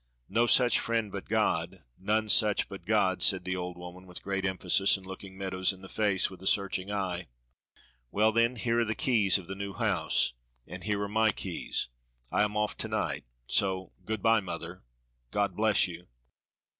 "No such friend but God none such but God!" said the old woman with great emphasis and looking Meadows in the face with a searching eye. "Well, then, here are the keys of the new house, and here are my keys. I am off tonight, so good by, mother. God bless you!"